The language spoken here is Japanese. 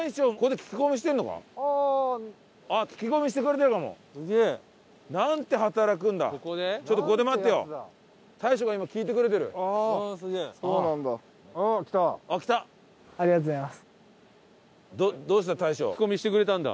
聞き込みしてくれたんだ？